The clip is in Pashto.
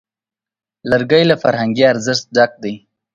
لرګی له فرهنګي ارزښت ډک دی.